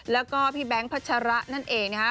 แล้วก็พี่แบงค์พัชระนั่นเองนะฮะ